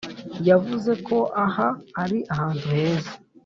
yavuze ko aha ari ahantu heza.